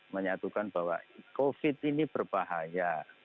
menyatukan bahwa covid ini berbahaya